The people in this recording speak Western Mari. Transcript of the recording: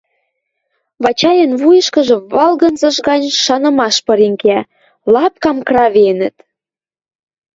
Вачайын вуйышкыжы валгынзыш гань шанымаш пырен кеӓ: «Лапкам кравенӹт!»